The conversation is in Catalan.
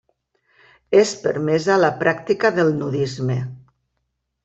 És permesa la pràctica del nudisme.